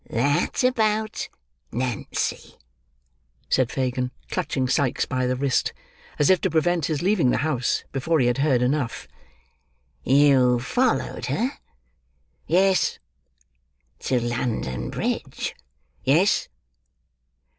"That about— Nancy," said Fagin, clutching Sikes by the wrist, as if to prevent his leaving the house before he had heard enough. "You followed her?" "Yes." "To London Bridge?" "Yes."